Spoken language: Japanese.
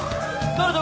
誰だ？